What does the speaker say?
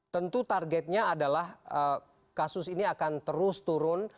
tentu targetnya adalah kasus ini akan terus turun